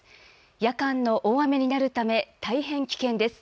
夜間の大雨になるため、大変危険です。